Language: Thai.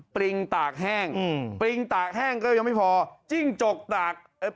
ปริงตากแห้งอืมปริงตากแห้งก็ยังไม่พอจิ้งจกตากเออ